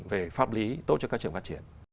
về pháp lý tốt cho các trường phát triển